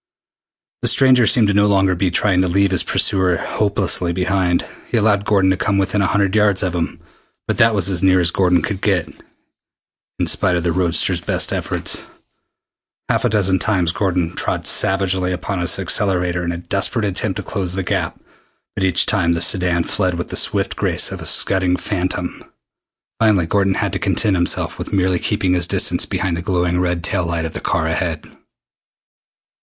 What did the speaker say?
The stranger seemed no longer to be trying to leave his pursuer hopelessly behind. He allowed Gordon to come within a hundred yards of him. But that was as near as Gordon could get, is spite of the roadster's best efforts. Half a dozen times Gordon trod savagely upon his accelerator in a desperate attempt to close the gap, but each time the sedan fled with the swift grace of a scudding phantom. Finally Gordon had to content himself with merely keeping his distance behind the glowing red tail light of the car ahead.